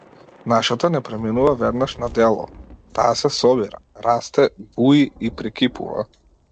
Нашата не преминува веднаш на дело, таа се собира, расте, буи и прекипува.